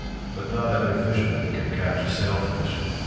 But not every fisherman can catch a sailfish.